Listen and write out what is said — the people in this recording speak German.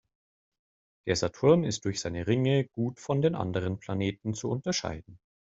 Der Saturn ist durch seine Ringe gut von den anderen Planeten zu unterscheiden.